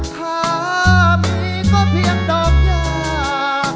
ถ้ามีก็เพียงดอกยา